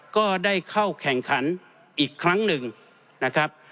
ก็ได้เข้าแข่งขันอีกครั้งหนึ่งนะครับ